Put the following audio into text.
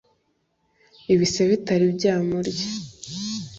Ibise bitari byamurya